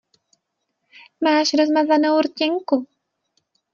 Máš rozmazanou rtěnku.